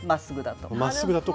まっすぐだと。